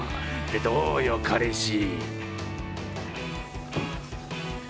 どうよ、彼氏！？